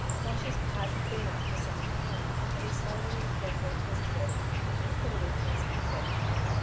Boshy's pipe had been out for some time, but he slowly and carefully tested it, then put it into his pocket.